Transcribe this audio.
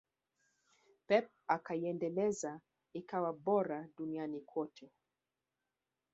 Pep akaiendeleza ikawa bora duniani kote